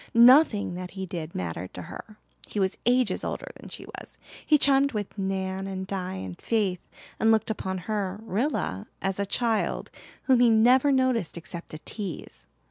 Nothing that he did mattered to her. He was ages older than she was. He chummed with Nan and Di and Faith, and looked upon her, Rilla, as a child whom he never noticed except to tease.